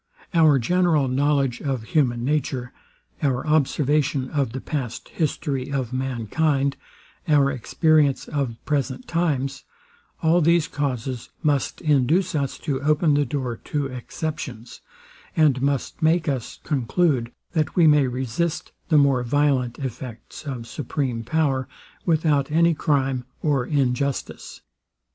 Our general knowledge of human nature, our observation of the past history of mankind, our experience of present times; all these causes must induce us to open the door to exceptions, and must make us conclude, that we may resist the more violent effects of supreme power, without any crime or injustice.